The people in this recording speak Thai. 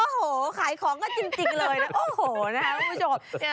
โอ้โหขายของกันจริงเลยนะโอ้โหนะครับคุณผู้ชม